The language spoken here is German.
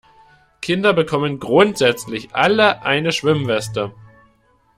Kinder bekommen grundsätzlich alle eine Schwimmweste.